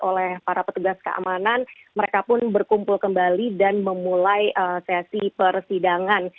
oleh para petugas keamanan mereka pun berkumpul kembali dan memulai sesi persidangan